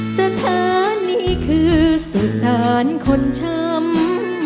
สถานีคือสุสานคนช้ำ